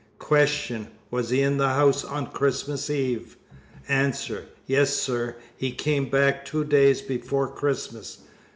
Q. Was he in this house on Christmas Eve? A. Yes, sir. He came back two days before Christmas.